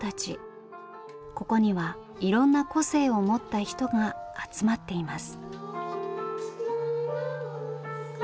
ここにはいろんな個性を持った人が集まっています。